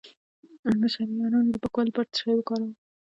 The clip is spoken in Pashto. د شریانونو د پاکوالي لپاره څه شی وکاروم؟